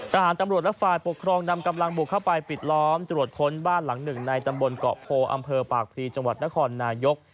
ตำรวจและฝ่ายปกครองนำกำลังบุกเข้าไปปิดล้อมตรวจค้นบ้านหลังหนึ่งในตำบลเกาะโพอำเภอปากพลีจังหวัดนครนายก